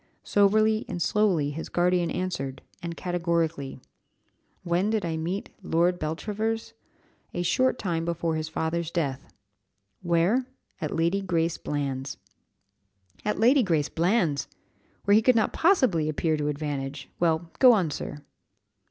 Soberly and slowly his guardian answered, and categorically, "When did I meet Lord Beltravers? A short time before his father's death. Where? At Lady Grace Bland's." "At Lady Grace Bland's! where he could not possibly appear to advantage! Well, go on, sir."